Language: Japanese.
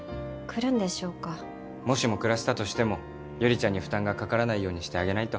もしも暮らせたとしても悠里ちゃんに負担がかからないようにしてあげないと。